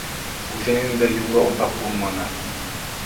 Үҙенең дә юлы оҙаҡ булманы